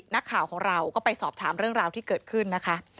นักข่าวของเราก็ไปสอบถามเรื่องราวที่เกิดขึ้นนะคะ